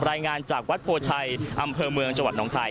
รายงานจากวัดโพชัยอำเภอเมืองจังหวัดหนองคาย